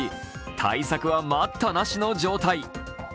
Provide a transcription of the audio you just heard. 対策は待ったなしの状態。